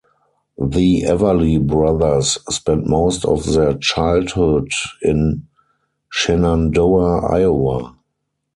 The Everly brothers spent most of their childhood in Shenandoah, Iowa.